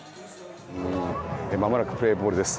まもなくプレーボールです。